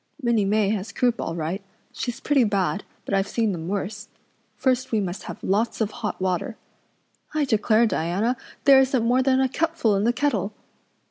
"Minnie May has croup all right; she's pretty bad, but I've seen them worse. First we must have lots of hot water. I declare, Diana, there isn't more than a cupful in the kettle!